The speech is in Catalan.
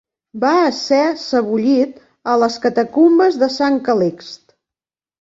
Va ésser sebollit a les catacumbes de Sant Calixt.